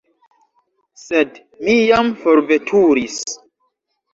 Sed mi jam forveturis.